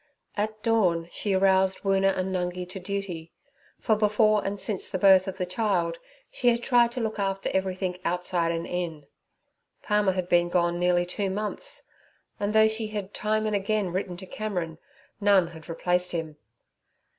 At dawn she aroused Woona and Nungi to duty, for before and since the birth of the child she had tried to look after everything outside and in. Palmer had been gone nearly two months, and though she had time and again written to Cameron, none had replaced him.